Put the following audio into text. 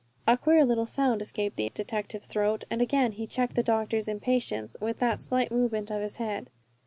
A queer little sound escaped the detective's throat, and again he checked the doctor's impatience with that slight movement of the head.